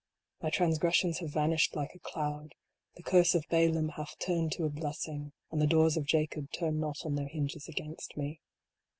My transgressions have vanished like a cloud. The curse of Balaam hath turned to a blessing ; And the doors of Jacob turn not on their hinges against me.